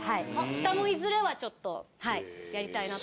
下もいずれはちょっとやりたいなと。